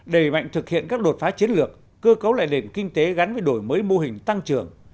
đẩy mạnh thực hiện các đột phá chiến lược cơ cấu lại nền kinh tế gắn với đổi mới mô hình tăng trưởng